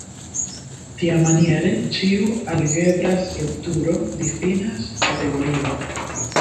Tiamaniere, ĉiu algebra strukturo difinas kategorion.